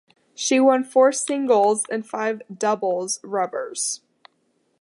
She won four singles and five doubles rubbers.